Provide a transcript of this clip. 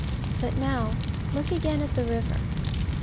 But now, look again at the river.